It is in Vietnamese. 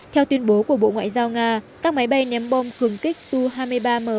theo tuyên bố của bộ ngoại giao nga các máy bay ném bom cường kích tu hai mươi ba m